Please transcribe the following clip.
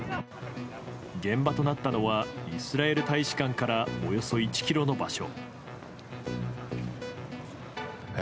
現場となったのはイスラエル大使館からおよそ１ｋｍの場所。